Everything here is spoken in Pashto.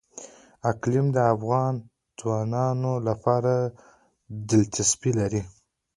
اقلیم د افغان ځوانانو لپاره دلچسپي لري.